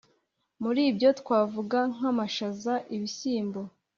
muri byo twavuga nk’amashaza, ibishyimbo,